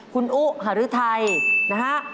คุณอุหารือไทยนะฮะ